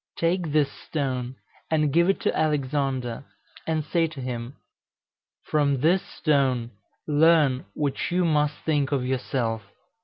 Take this stone and give it to Alexander, and say to him, 'From this stone learn what you must think of yourself.'"